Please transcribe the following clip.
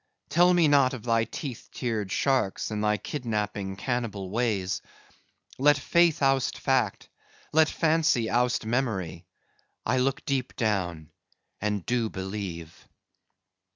—Tell me not of thy teeth tiered sharks, and thy kidnapping cannibal ways. Let faith oust fact; let fancy oust memory; I look deep down and do believe."